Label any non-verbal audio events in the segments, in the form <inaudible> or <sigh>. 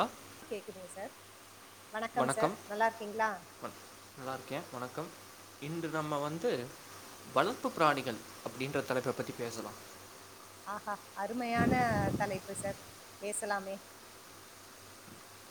ஆ கேக்குதுங்க சார் வணக்கம் சார் நல்லாருக்கீங்களா நல்லாருக்கே வணக்கம் இன்று நம்ம வந்து வளர்ப்பு பிராணிகள் அப்படின்ற தலைப்ப பத்தி பேசலா ஆஹா அருமையான தலைப்பு சார் பேசலாமே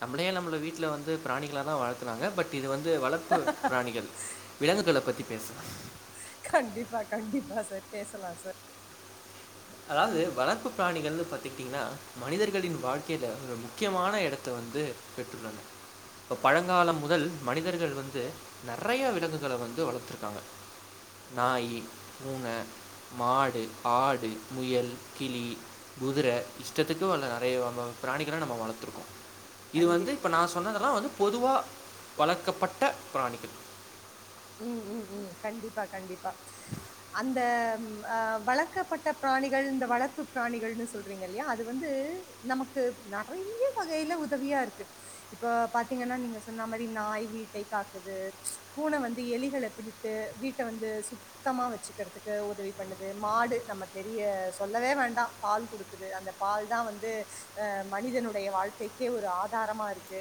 நம்மளே நம்மள வீட்ல வந்து பிரணிகளாதா வாழ்த்தனாங்க பட் இது வந்து வளர்ப்பு பிராணிகள் விலங்குகளைப் பத்தி பேச கண்டிப்பா கண்டிப்பா சார் பேசலா சார் அதாவது வளர்ப்பு பிராணிகள்னு பாத்துக்கிட்டிங்கன்னா மனிதர்களின் வாழ்க்கையில ஒரு முக்கியமான எடத்த வந்து பெற்றுள்ளாங்க இப்ப பழங்காலம் முதல் மனிதர்கள் வந்து நெறைய விலங்குகள வந்து வளத்துருக்காங்க நாய்யி பூனை மாடு ஆடு முயல் கிளி குதிர இஷ்டத்துக்கு அல்ல நெறைய பிராணிகள நம்ம வளத்துருக்கோ இது வந்து கண்டிப்பா இப்போ நா சொன்னதெல்லா வந்து பொதுவ வளர்க்கப்பட்ட ப்ராணிகள் ம் ம் ம் கண்டிப்பா கண்டிப்பா அந்த ம் ஆ வளர்க்கப்பட்ட ப்ராணிகள் இந்த வளர்ப்பு ப்ராணிகள்னு சொல் ங்க இல்லையா அது வந்து நமக்கு நெறைய வகையில உதவியா இருக்கு இப்ப பாத்தீங்கன்னா நீங்க சொன்னா மாரி நாய் வீட்டை காக்குது பூன வந்து எலிகள பிடித்து வீட்ட வந்து சு த்தமா வச்சுக்கிறதுக்கு உதவி பண்ணுது மாடு நம்ம தெரிய சொல்லவே வேண்டா பால் குடுக்குது அந்த பால் தா வந்து அ மனிதனுடைய வாழ்க்கைக்கே ஒரு ஆதாரமா இருக்கு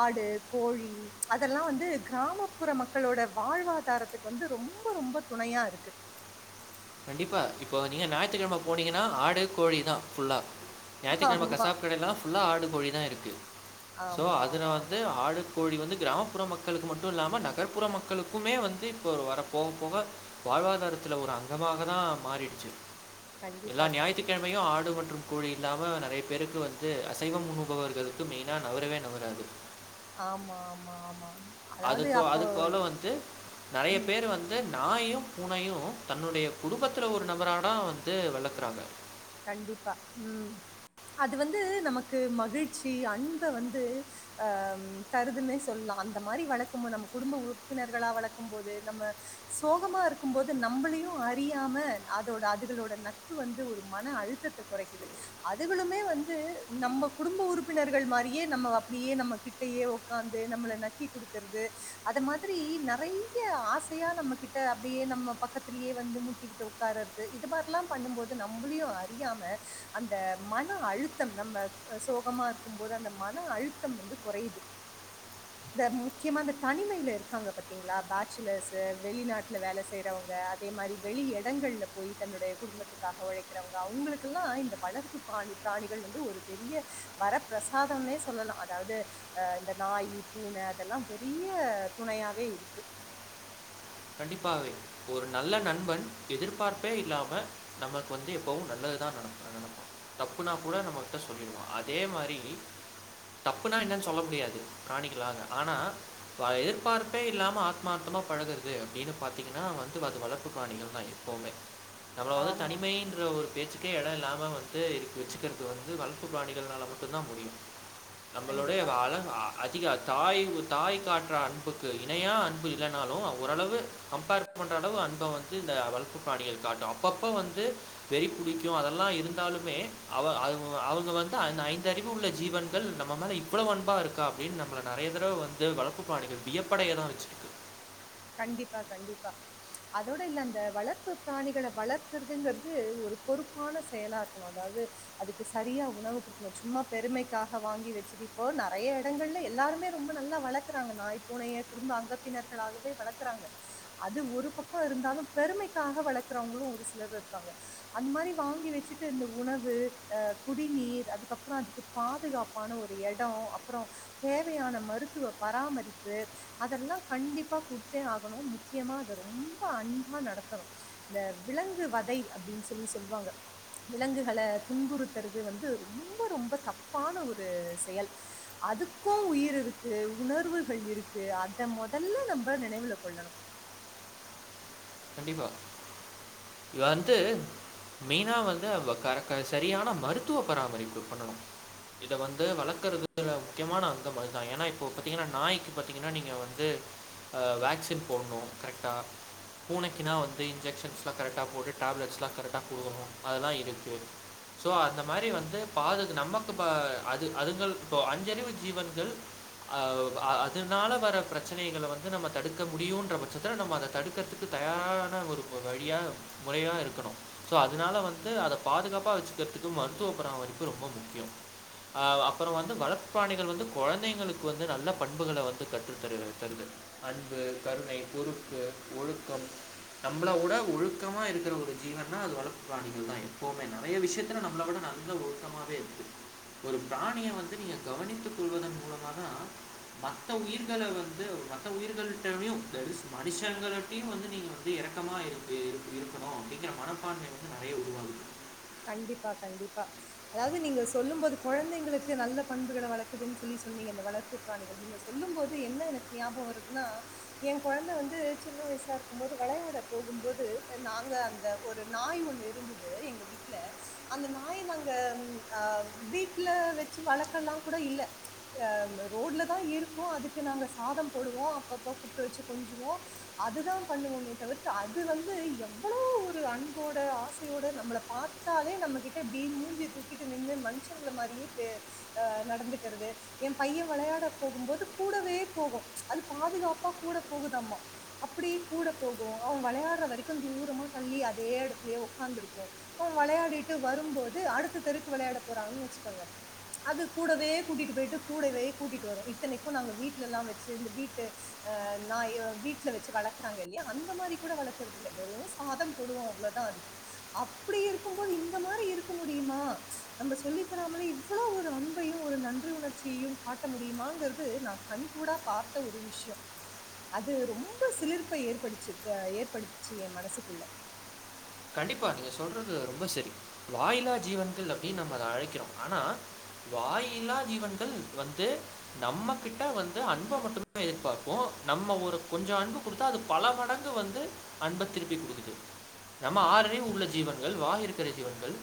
ஆடு கோழி அதெல்லா வந்து கிராமப்புற மக் களோட வாழ்வாதாரத்துக்கு வந்து ரொம்ப ரொம்ப துணையா இருக்கு கண்டிப்பா இப்போ நீங்க ஞாயித்துகெழம போனீங்கன்னா ஆடு கோழி தா ஃபுல்லா ஞாயித்துகெழம ஆமா கசாப்பு கடையெல்லா ஃபுல்லா ஆடு கோழி தா இருக்கு சோ ஆமா அதுல ஆமா ஆமா வந்து ஆடு கோழி வந்து கிராமப்புற மக்களுக்கு மட்டு இல்லாம நகர்புற மக் களுக்குமே வந்து இப்போ வர போக போக வாழ்வாதாரத்தில ஒரு அங்க அதுவாகதா மாறிடுச்சு எல்லா கண்டிப்பா கண்டிப்பா ஞாயித்துக்கெழமையு ஆடு மற்று கோழி இல்லாம நறைய பேருக்கு வந்து அசைவம் உன்னுபவர்களுக்கு மெயினா நவரவே நவராது ஆமா ஆமா ஆமா அதாவது அதுக்கு அது அப்போ போல வந்து நறைய பேர் வந்து நாயு பூனையு தன்னுடைய குடும்பத்துல ஒரு நபரா தா வந்து வளக்கறாங்க கண்டிப்பா ம் அது வந்து நமக்கு மகிழ்ச்சி அன்ப வந்து ஆ ம் தருதுன்னே சொல்லலா அந்த மாரி வளக்கும் போது நம்ம குடும்ப உறுப்பினர்களா வளக்கும் போது நம்ம சோகமா இருக்கும் போது நம்மளையு அறி றியாம அதோட அதுகளோட நட்பு வந்து ஒரு மன அழுத்தத்த கொறைக்குது அதுகளுமே வந்து நம்ம குடும்ப உறுப்பினர்கள் மாரியே நம்ம அப்படியே நம்ம கிட் கிட்டயே ஒக்காந்து நம்மள நக்கி குடுக்கறது அத மாரி நறைய ஆசையா நம்ம கிட் ட அப்படியே நம்ம பக்கத்திலேயே வந்து மு ட்டிகிட்டு உட்கார்றது இது மாரில்லா பண்ணும் போது நம்மளையு அறியாம அந்த மன அழுத்தம் நம்ம சோகமா இருக்கும்போது அந்த மன அழுத்தம் வந்து குறையுது இந்த முக்கியமா அந்த தனிமையில இருக்காங்க பாத்தீங்களா பேச்சலர்ஸ் வெளிநாட்டுல வேல செய்யறவங்க அதே மாரி வெளி எடங்கள்ல போயி தன்னுடைய குடும்பத்துக்காக ஒழைக்கிறவங்க அவங்களுக்கெல்லா இந்த வளர்ப்பு பாணி பிராணிகள் வந்து ஒரு பெரிய வரப்பிரசாதம்னே சொல்லலா அதாது அ இந்த நாயி பூன அதெல்லா பெரிய துணையாவே இருக்கு கண்டிப்பாவே ஒரு நல்ல நண்பன் எதிர்பார்ப்பே இல்லாம நம்மளுக்கு வந்து எப்பவு நல்லதுதா அத நப்பனா தப்புனா கூட நம்மகிட்ட சொல்லிருவா அதே மாரி தப்புனா என்னன்னு சொல்ல முடியாது பிராணிக்கல்லா ஆனா பா எதிர்பார்ப்பே இல்லாம ஆத்மார்த்தமா பழகுற து அப்டின்னு பாத்தீங்கன்னா வந்து அது வளர்ப்பு பிராணிகள் தா எப்பவுமே நம்மள வந்து ஆமா. தனிமைன்ற ஒரு பேச்சு மே எடோ இல்லாம வந்து இது வெச்சுக்கிறது வந்து வளர்ப்பு பிராணிகள்னால மட்டுந்தா முடியு நம்மளுடைய கண்டிப்பா. வாழ ஆ அதிக தாய்வு தாய் காட்ற அன்புக்கு இணையா அன்பு இல்லனாலு அவ ஓரளவு கம்பேர் பண்ற அளவு அன்ப வந்து இந்த வளப்பு பிராணிகள் காட்டும அப்பப்போ வந்து வெறி புடிக்கு அதெல்லா இருந்தாலுமே அவ அவ அவூங்க வந்து ஐந்தறிவு உள்ள ஜீவன் கள் நம்ம மேல இவ்ளோ அன்பா இருக்கா அப்டின்னு நம்ம நறைய தடவ வந்து வளப்பு பிராணிகள் வியப்படைய தா வெச்சிருக்கு கண்டிப்பா கண்டிப்பா அதோட இல்ல அந்த வளர்ப்பு பிராணிகள வளக்கறதுங்கிறது ஒரு பொறுப்பான செயலா அதாது அதுக்கு சரியா உணவு குடுக்கணு சும்மா பெருமைக்காக வாங்கி வச்சிட்டு இப்போ நறைய எடங்கள்ல எல்லாருமே ரொம்ப நல்லா வளர்க்குறாங்க நாய் பூனைய குடும்ப அங்கத்தினர்களாகவே வளக்குறாங்க அது ஒரு பக்கோ இருந்தாலு பெருமைக்காக வளக்கறவங்களு ஒரு சிலர் இருக்காங்க அந்த மாரி வாங்கி வெச்சுட்டு இருந்த உணவு ஆ குடிநீர் அதுக்கப்றோ அதுக்கு பாதுகாப்பான ஒரு எடோ அப்றோ தேவையான மருத்துவ பராமரிப்பு அதெல்லா கண்டிப்பா குடுத் தே ஆகணு முக்கியமா அத ரொம்ப அன்பா நடத்தணு இந்த விலங்கு வதை அப்டின்னு சொல்லி சொல்லுவாங்க விலங்குகள துன்புறுத்துறது வந்து ரொம்ப ரொம்ப தப்பான ஒரு செயல் அதுக்கு உயிர் இருக்கு உணர்வுகள் இருக்கு அத முதல்ல நம்ம நம்ப நினைவுல கொள்ளணு கண்டிப்பா இவ வந்து மெயினா வந்து அவ க க செரியான மருத்துவ பராமரிப்பு பண்ணனு இத வந்து வளக்குறது வந்து முக்கியமான அங்கம் அதுதா ஏன்னா இப்போ பாத்தீங்கனா நாய்க்கு பாத்தீங்கனா நீங்க வந்து ஆ வேக்சின் போட்ணு கரெக்டா பூனைக்குன்னா வந்து இன்ஜெக்ஷன்ஸ்லா கரெக்டா௱போட்டு டேப்லெட்ஸ்லா கரெக்டா குடுக்கணு அதெல்லா இருக்கு சோ அந்த மாரி வந்து பாது நமக்கு அ அது அதுங்க இப்போ அஞ்சறிவு ஜீவன்கள் அதனால வர பிரச்சனைகள வந்து நம்ம தடுக்க முடியுன்ற பட்சத்துல நம்ம அத தடுக்கறதுக் தயாரான ஒரு வழியா முறையா இருக்கணு சோ அதனால வந்து அத பாதுகாப்பா வச்சிக்கறதுக்கு மருத்துவ பராமரிப்பு ரொம்ப முக்கியம் அ அப்பற வந்து வளர்ப்பு பிராணிகள் வந்து கொழந்தைங்களுக் வந்து நல்ல பண்புகள வந்து கத்துத்தருகி தருது அன்பு கருணை பொறுப்பு ஒழுக் கும் நம்மளவுட ஒழுக்கமா இருக்கிற ஒரு ஜீவன்னா அது வளர்ப்பு பிராணிகள் தா எப்பவுமே நறைய விஷயத்துல நம்மள விட நல்ல நல்ல ஒழுக்கமாவே இருக்கு ஒரு பிராணிய வந்து நீங்க கவனித்துக் கொள்வதன் மூலமாதா மத்த உயிர்கள வந்து மத்த உயிர்கள்கிட்டயு தேர் ஈஸ் மனுஷங்களட்டயு வந்து நீங்க வந்து இரக்கமா இருக்கு இருக்கணு அப்டிங்கிற மனப்பான்மை வந்து நறைய உருவாகுது கண்டிப்பா கண்டிப்பா அதாவது நீங்க சொல்லும்போது கொழந்தைங்களுக்கு நல்ல பண்புகள வளக்குதுன்னு சொல்லி சொன்னீங்க இந்த வளர்ப்பு பிராணிகள் நீங்க சொல்லும் போது என்ன எனக்கு ஞாபகம் வருதுன்னா என் கொழந்த வந்து சின்ன வயசா இருக்கும் போது விளையாட போகும்போது நாங்க அந்த ஒரு நாய் ஒண்ணு இருந்தது எங்க வீட் ல அந்த நாயை நாங்க அ வீட்ல வச்சு வளக்கல்லா கூட இல்ல அ ரோட்ல தா இருக்கு அதுக்கு நாங்க சாதம் போடுவோ அப்பப்ப கூப்ட்டு வச்சு கொஞ்சுவோ அதுதா பண்ணுவோமே தவிர்த்து அது வந்து எவ்ளோ ஒரு அன்போட ஆசையோட நம்மள பா த்தாலே நம்மகிட்ட இப்டி மூஞ்சிய தூக்கிட்டு நின்னு மனுஷங்கள மாறியே பே அ நடந்துக்கறது என் பையன் விளையாட போகும்போது கூடவே போகு அது பாதுகாப்பா கூட போகுதாம்மா அப்டியே கூட போகு அவன் விளையாட்ற வரைக்கு தூரமா தள்ளி அதே இடத்துலயே உக்காந்துருக்கு அவன் விளையாடிட்டு வரும்போது அடுத்த தெருக்கு விளையாட போறான் வச்சுக்குங்க அது கூடவே கூட்டிட்டு போயிட்டு கூடவே கூட்டிட்டு வரு இத்தனைக்கு நாங்க வீட்ல எல்லா வச்சு இந்த வீட்டு அ நாய் வீட்ல வச்சு வளக்குறாங்க இல்லையா அந்த மாரி கூட வளக்கறது இல்ல வெறு சாதம் போடுவோ அவ்ளோதா அதுக்கு அப் டி இருக்கும்போது இந்த மாரி இருக்க முடியுமா நம்ம சொல்லி தராமலே இவ்ளோ ஒரு அன்பையு ஒரு நன்றி உணர்ச் சியு காட்ட முடியுமாங்கிறது நா கண்கூடா பார்த்த ஒரு விஷயம் அது ரொம்ப சிலிர்ப்ப ஏற்படுச்சு ஏற்படுத்துச்சு என் மனசுக்குள்ள கண்டிப்பா நீங்க சொல்றது ரொம்ப செரி வாயில்லா ஜீவன்கள் அப்டின்னு நம்ம அத அழைக்கிறோ ஆனா வாயில்லா ஜீவன்கள் வந்து நம்மக் கிட்ட வந்து அன்ப மட்டுமே எதிர்பாக்கு நம்ம ஒரு கொஞ்ச அன்பு குடுத்தா அது பல மடங்கு வந்து அன்ப திருப்பி் குடுக்குது நம்ம ஆறு அறிவு உள்ள ஜீவன் கள் வாய் இருக்குற ஜீவன்கள்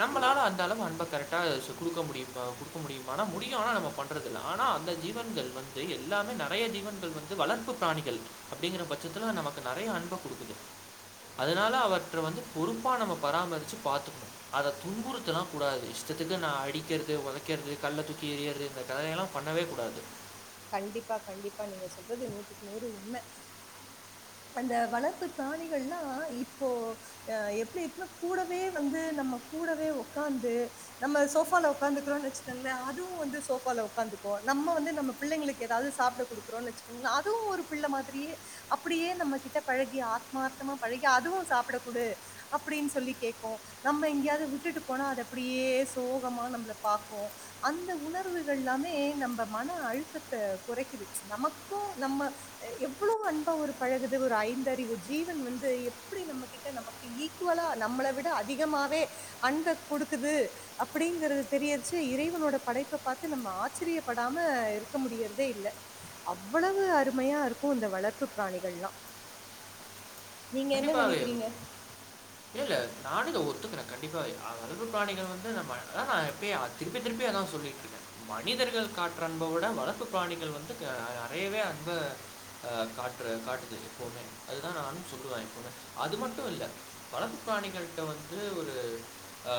நம்மளால அந்த அளவு அன்ப கரெக்டா குடுக்க முடியுமா குடுக்க முடியுமான்னா முடியு ஆனா நம்ம பண்ண றதில்ல ஆனா அந்த ஜீவன்கள் வந்து எல்லாமே நறைய ஜீவன்கள் வந்து வளர்ப்பு பிராணிகள் அப்டிங்கிற பட்சத்துல நமக்கு நறைய அன்ப குடுக்குது <inaudible> அதனால அவர் ற்ற வந்துப் பொறுப்பா நம்ம பராமரிச்சு பாத்துக்னு அதத் துன்புறுத்தலாங் கூடாது இஷ்டத்துக்கு நா அடிக்கிறது ஒதைக்கிறது கல்லத் தூக்கி எரியர்து இந்தக் கதையெல்லாம் பண்ணவே கூடாது கண்டிப்பா கண்டிப்பா நீங்க சொல்றது நூத்துக்கு நூறு உண்ம அந்த வளர்ப்புப் பிராணிகள்லா இப்போ அ எப்டி இக்மேக் கூடவே வந்து நம்மக் கூடவே உக்காந்து நம்ம சோபால உக்காந்துக்றோன் வச்சுக்கங்ளே அதுவு வந்து சோபால உக்காந்துக்கு நம்ம வந்து நம்ம பிள்ளைங்ளுக்கு எதாவ்து சாப்டக் குடுக்றோன் வச்சுகங்ளே அதுவு ஒரு பிள்ள மாதிரியே அப் அப்டியே நம்ம கிட்ட பழகி ஆத்மார்த்தமா பழகி அதுவு சாப்ட குடு அப்டின் சொல்லி கேக்கு நம்ம எங்கியாவது விட்டுட்டுப் போனா அதப் அப்டியே சோகமா நம்ள பாக்கு அந்த உணர்வுகள் ல்லாமே நம்ப மன அழுத்தத்த கொறைக்கிது நமக்கு நம்ம அ எவ்ளவு அன்பா ஒருப் பழகுது ஒரு ஐந்தறிவு ஜீவன் வந்து எப்டி நம்ம கிட்ட நமக்கு ஈக்குவலா நம்மள விட அதிகமாவே அன்பக் குடுக்குது அப்டிங்கறது தெரியச்சு இறைவனோடப் படைப்ப பாத்து நம்ம ஆச்சரியப்படாம இருக்க முடியறதே இல்ல அவ்ளவு அருமையா இருக்கு இந்த வளர்ப்புப் பிராணிகள்லா கண்டிப்பாவே நினைக்கிறீங்க இல்ல இல்ல நானு இத ஒத்துக்கற கண்டிப்பா அ அழகுப் பிராணிகள் வந்து நம்ம அதா நா எப்பயே திருப்பி திருப்பி அதா சொல்லிட்ருக்கே மனிதர்கள் காற்ற அன்ப விட வளர்ப்புப் பிராணிகள் வந்து க அறையவே அன்ப அ காட்ற காட்டுது எப்பவுமே அதுதா நானு சொல்லுவே அது மட்டு இல்ல வளர்ப்பு பிராணிகள்ட்ட வந்து ஒரு அ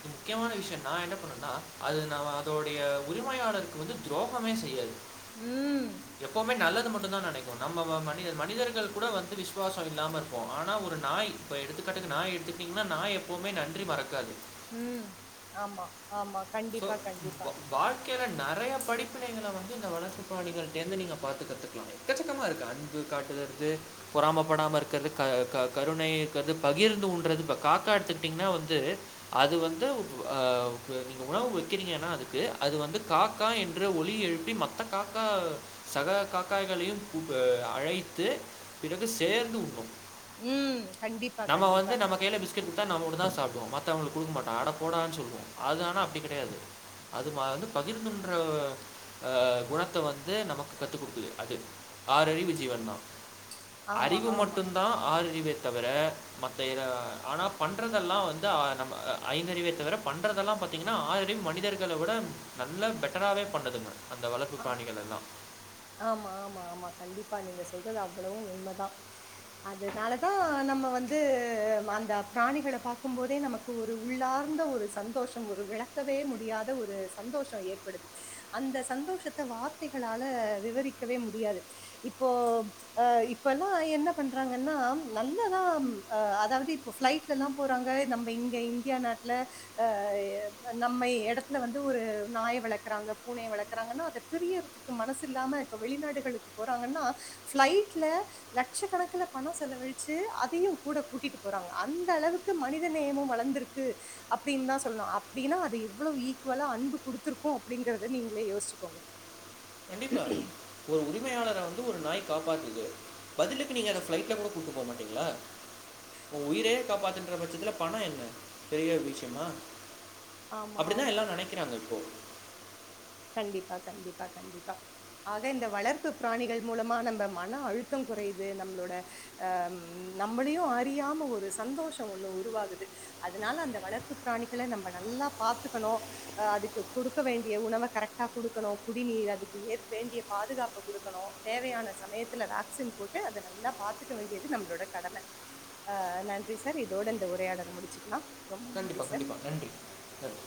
இது முக்கியமான விஷ்யோ நா என்னப் பண்ணனா அது நம் அதோடைய உரிமையாளருக்கு வந்து துரோகமே செய்யாது ம் எப்பவுமே நல்லது மட்டுந்தா நெனைக்கு நம்ம ம மனிதர் மனிதர்கள் கூட வந்து விஷ்வாச் இல்லாம இருப்போ ஆனா ஒரு நாய் இப்ப எடுத்துக்காட்டுக்கு நாய் எடுத்துக்ட்டீங்னா நாய் எப்பவுமே நன்றி மறக்காது ம் ஆமா ஆமா கண்டிப்பா கண்டிப்பா வாழ்க்கைல நெறையப் படிப்பினைகள வந்து இந்த வளர்ப்புப் பிராணிகள்ட்டேந்து நீங்க பாத்து கத்து எக்கச்சக்கமா இருக்கு அன்பு காட்டுலறது பொறாமப்படாம இருக்கறது க க கருணை இருக்கறது பகிர்ந்து உண்றது இப்ப காக்கா எடுத்துக்கிட்டீங்னா வந்து அது வந்து அ <unintelligible> உணவு வக்கிறீங்கன்னா அதுக்கு அது வந்து காக்கா என்று ஒலி எழுப்பி மத்தக் காக்கா சக காக்காய்களையும் குப்பே அழைத்து பிறகு சேர்ந்து உண்ணும் ம் கண்டிப்பா நம்ம வந்து கண்டிப்பா நம்ம கைலபிச் க்கேட் குடுத்த நம்ம மட்டுந்தா சாப்டுவோ மத்தவுங்களுக் குடுக்க மாட்டா அடப் போடான் சொல்லுவோ அது ஆனா அப்டி கெடையாது அதுமா வந்து பகிர்ந்துன்ற அ அ குணத்த வந்து நமக்கு கத்து குடுக்குது அது ஆறறிவு ஜீவன்தா ஆமா அறிவு ஆமா மட்டுந்தா ஆறறிவேத் தவிர மத்த எர ஆனாப் பண்றதெல்லா வந்து ஆ நம்ம அ ஐந்தறிவேத்தவிரப் பண்றதெல்லாம் பத் தீங்கனா ஆறறிவு மனிதர்கள விட நல்ல பெட்டராவேப் பண்ணுதுங்க அந்த வளர்ப்புப் ஆ பிராணிகள் எல்லா ஆமா ஆமா ஆமா கண்டிப்பா நீங்க சொல்றது அவ்வளவு உண்மதா அதனாலதா நம்ம வந்து அந்தப் பிராணிகள பாக்கும் போதே நமக்கு ஒரு உள்ளார்ந்த ஒரு சந்தோஷம் ஒரு விளக்கவே முடியாத ஒரு சந்தோஷோ ஏற்படுது அந்த சந்தோஷத்த வார்த்தைகளால விவரிக்கவே முடியாது இப்போ அ இப்பெல்லா என்ன பண்றாங்கன்னா நல்லதாம் அ அதாவது இப் இப்ப ஃபிளைட்ல எல்லா போறாங்க நம்ம இங்க இந்தியா நாட்டுல அ நம்ம எடத்துல வந்து ஒரு நாய வளக்கறாங்க பூனைய வளக்கறாங்கன்னா அத பிரியறதுக்கு மனசு இல்லாம இப்ப வெளிநாடுகளுக்கு போறாங்கன்னா ஃபிளைட்ல லட்சக்கணக்குல பணோ செலவழிச்சு அதையு கூட கூட்டிட்டு போறாங்க அந்த அளவுக் கு மனித நேயமு வளந்துருக்கு அப்டின்னுதா சொல்னு அப்டின்னா அது இவ்ளோ ஈக்குவலா அன்பு குடுத்துருக்கு அப்டிங்கறத நீங்களே யோசிச்சுக்கோங்க கண்டிப்பா ஒரு உரிமையாளரா வந்து ஒரு நாய் காப்பாத்துது பதிலுக்கு நீங்க அத ஃபிளைட்ல கூட கூப்ட்டு போ மாட்டீங்ளா ஓ உயிரே பாத்தன்ற பட்சத்தில்ல பணோ என்ன பெரிய விஷயமா ஆமா அப்டித்தா ஆமா எல்லா நெனைக்க க்கிறாங்க இப்போ கண்டிப்பா கண்டிப்பா கண்டிப்பா ஆக இந்த வளர்ப்பு பிராணிகள் மூலமா நம்ம மன அழுத்தோ கொறையுது நம்ளோட ஆ நம்மளையு அறியாம ஒரு சந்தோஷோ ஒன்னு உருவாகுது அதனால அந்த வளர்ப்பு பிராணிகள நம்ம நல்லா பாத்துக்கணு ஆ அதுக்கு குடுக்க வேண்டிய உணவ கரெக்டா குடுக்கணு குடிநீர் அதுக்கு ஏற் வேண்டிய பாதுகாப்ப குடுக்கணு தேவையான சமயத்துல வேக்சின் போட் ட்டு அத நல்லா பாத்துக்க வேண்டியது நம்மளோட கடம ஆ நன்றி சார் இதோட இந்த உரையாடல முடிச்சுக்கலா கண்டிப்பா கண்டிப்பா நன்றி நன்றி